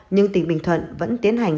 nhưng tỉnh bình thuận vẫn tiến hành